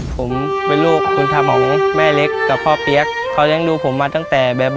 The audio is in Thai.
ผมเป็นลูกบุญธรรมของแม่เล็กกับพ่อเปี๊ยกเขาเลี้ยงดูผมมาตั้งแต่แบบ